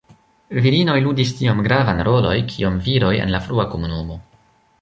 Virinoj ludis tiom gravan roloj kiom viroj en la frua komunumo.